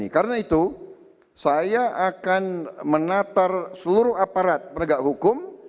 karena itu saya akan menatar seluruh aparat penegak hukum